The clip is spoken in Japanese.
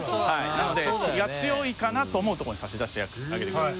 なので火が強いかなと思うところに差し出してあげてください。